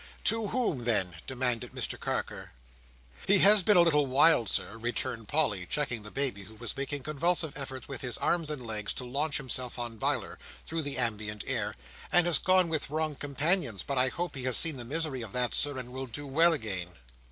"To whom then?" demanded Mr Carker. "He has been a little wild, Sir," returned Polly, checking the baby, who was making convulsive efforts with his arms and legs to launch himself on Biler, through the ambient air, "and has gone with wrong companions: but I hope he has seen the misery of that, Sir, and will do well again."